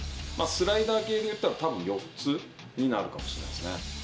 スライダー系でいったら、たぶん４つになるかもしれないですね。